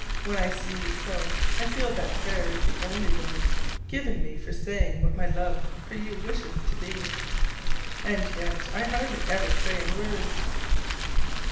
When I see you so, I feel that prayer is the only way given me for saying what my love for you wishes to be. And yet I hardly ever pray in words.